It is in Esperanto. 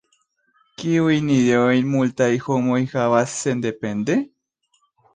Kiujn ideojn multaj homoj havas sendepende?